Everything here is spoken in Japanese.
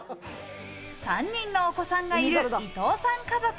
３人のお子さんがいる伊藤さん家族。